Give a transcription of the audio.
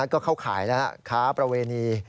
ก็เข้าข่ายแล้วค้าประเวณี